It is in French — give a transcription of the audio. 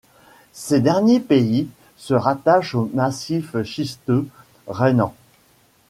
Ces derniers pays se rattachent au massif schisteux rhénan.